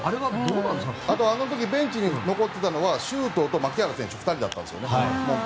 あの時ベンチに残っていたのは周東と牧原選手の２人だけだったんですよね。